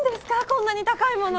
こんなに高いもの。